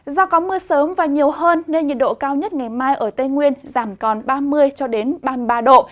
do có mưa sớm và nhiều hơn nên nhiệt độ cao nhất ngày mai ở tây nguyên giảm còn ba mươi ba mươi ba độ